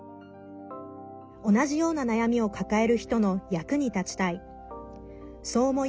同じような悩みを抱える人の役に立ちたい。